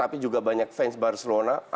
apalagi seandainya mereka bergabung dengan juve